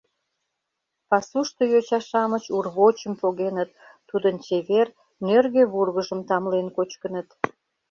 Пасушто йоча-шамыч урвочым погеныт, тудын чевер, нӧргӧ вургыжым тамлен кочкыныт.